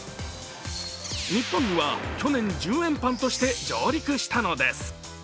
日本には去年、１０円パンとして上陸したのです。